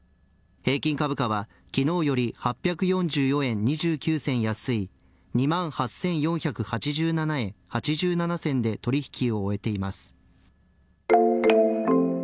平均株価は昨日より８４４円２９銭安い２万８４８７円８７銭で取引を終えています。